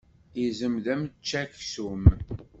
Izem d ameččaksum.